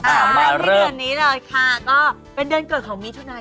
ค่ะมาเริ่มมาเริ่มที่เดือนนี้เลยค่ะก็เป็นเดือนเกิดของมิถุนายน